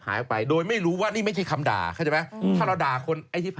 เสาร์ฒาวธาปลักษณ์